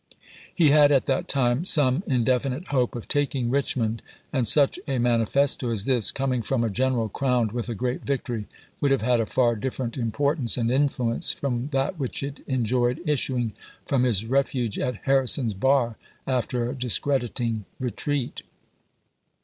He had at that time some in definite hope of taking Richmond ; and such a mani festo as this, coming from a general crowned with a great victory, would have had a far different importance and influence from that which it en joyed issuing from his refuge at Harrison's Bar, after a discrediting retreat.